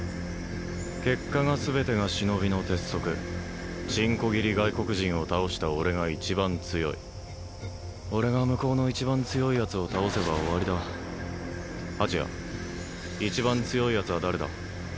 結果が全てが忍びの鉄則チンコ切り外国人を倒した俺が一番強い俺が向こうの一番強いヤツを倒せば終わりだ蜂谷一番強いヤツは誰だ？